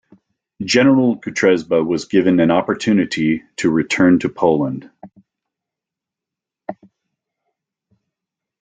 General Kutrzeba was given an opportunity to return to Poland.